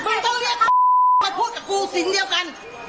มึงต้องเรียกข้าร้าวขำมาพูดกับกูสิ่งเดียวกัน